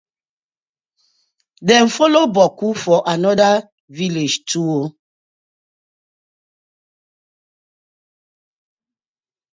Dem follow boku for another villag too oo.